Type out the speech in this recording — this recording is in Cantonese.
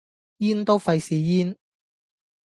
in 都費事 in